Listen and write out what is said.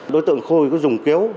đối tượng khôi có dùng kéo